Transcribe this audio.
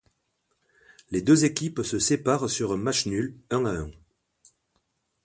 Les deux équipes se séparent sur un match nul un à un.